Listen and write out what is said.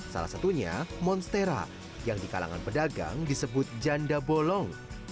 salah satunya monstera yang di kalangan pedagang disebut janda bolong